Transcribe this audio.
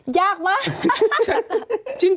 ยากไหม